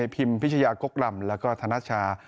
พิมพิชยากกลำแล้วก็ธนชา